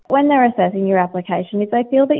ketika mereka mencari pinjaman